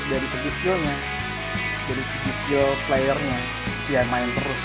dari segi skillnya dari segi skill player nya ya main terus